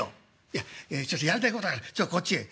「いやちょっとやりたいことあるちょっとこっちへ」。